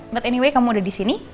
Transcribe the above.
but anyway kamu udah disini